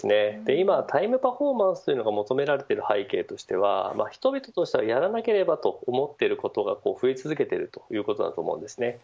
今、タイムパフォーマンスが求められている背景としては人々としてはやらないといけないと思ってることが増え続けているということだと思うんですね。